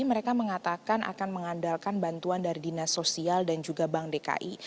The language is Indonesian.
mereka mengatakan akan mengandalkan bantuan dari dinas sosial dan juga bank dki